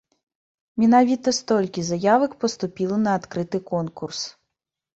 Менавіта столькі заявак паступіла на адкрыты конкурс.